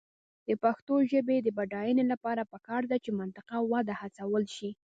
د پښتو ژبې د بډاینې لپاره پکار ده چې منظمه وده هڅول شي.